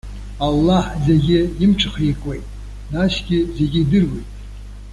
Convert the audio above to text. Аллаҳ зегьы имҽхеикуеит, насгьы зегьы идыруеит.